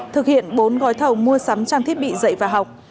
thực hiện bốn gói thầu mua sắm trang thiết bị dạy và học